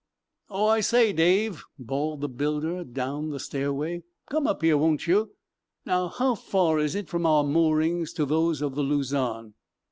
"Oh, I say, Dave," bawled the builder down the stairway. "Come up here, won't you? Now, how far is it from our moorings to those of the 'Luzon'?"